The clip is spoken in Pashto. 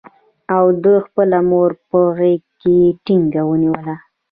او ده خپله مور په غېږ کې ټینګه ونیوله.